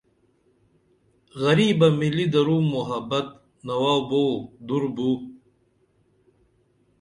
غریبہ مِلی درو محبت نوابو دُر بُو